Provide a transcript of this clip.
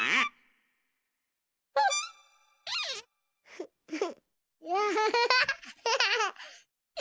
フッフッ。